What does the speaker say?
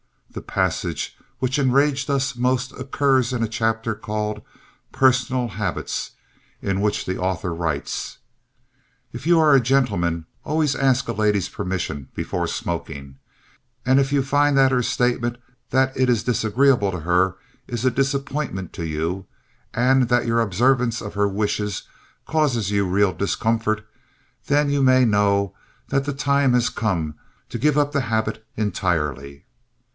The passage which enraged us most occurs in a chapter called "Personal Habits," in which the author writes: "If you are a gentleman always ask a lady's permission before smoking, and if you find that her statement that it is disagreeable to her is a disappointment to you, and that your observance of her wishes causes you real discomfort, then you may know that the time has come to give up the habit entirely."